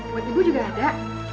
buat ibu juga ada